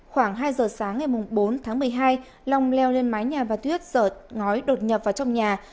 khoảng hai giờ sáng ngày bốn tháng một mươi hai long leo lên mái nhà bà tuyết dở ngói đột nhập vào trong nhà